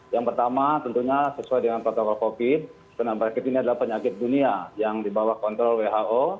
yang pertama tentunya sesuai dengan protokol covid karena berikut ini adalah penyakit dunia yang dibawa kontrol who